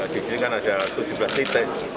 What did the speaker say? disini kan ada tujuh belas titik